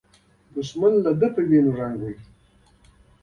دښمن له ده په وینو رنګ و.